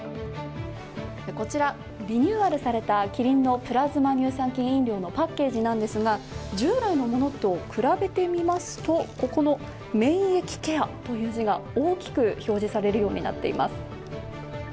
こちら、リニューアルされたキリンのプラズマ乳酸菌飲料のパッケージなんですが、従来のものと比べてみますと、「免疫ケア」という字が大きく表示されるようになっています。